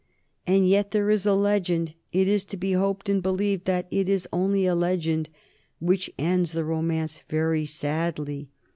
And yet there is a legend it is to be hoped and believed that it is only a legend which ends the romance very sadly.